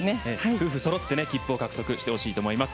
夫婦揃って切符を獲得してほしいと思います。